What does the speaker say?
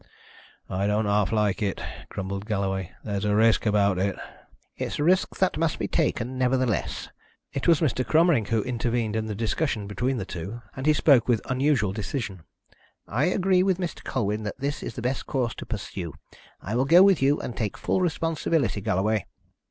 "I don't half like it," grumbled Galloway. "There's a risk about it " "It's a risk that must be taken, nevertheless." It was Mr. Cromering who intervened in the discussion between the two, and he spoke with unusual decision. "I agree with Mr. Colwyn that this is the best course to pursue. I will go with you and take full responsibility, Galloway."